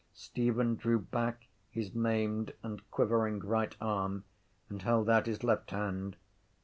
Stephen drew back his maimed and quivering right arm and held out his left hand.